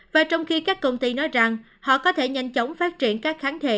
và trong khi các công ty nói rằng họ có thể nhanh chóng phát triển các kháng thể